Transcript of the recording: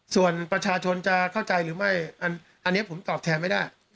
ส่วนประชาชนจะเข้าใจหรือไม่อันนี้ผมตอบแทนไม่ได้